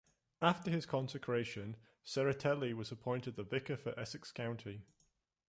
After his consecration, Serratelli was appointed the vicar for Essex County.